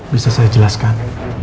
bisa saya jelaskan